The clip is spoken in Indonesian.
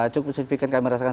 cukup signifikan kami merasakan